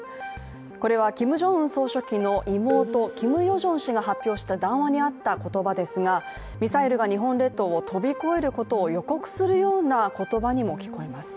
これはキム・ジョンウン総書記の妹キム・ヨジョン氏が発表した談話にあった言葉ですが、ミサイルが日本列島を飛び越えることを予告するような言葉にも聞こえます。